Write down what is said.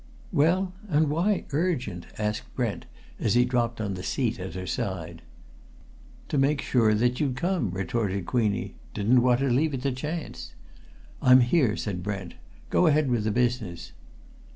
"Well, and why 'urgent'?" asked Brent as he dropped on the seat at her side. "To make sure that you'd come," retorted Queenie. "Didn't want to leave it to chance." "I'm here!" said Brent. "Go ahead with the business."